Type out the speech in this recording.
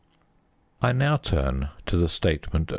I now turn to the statement of M.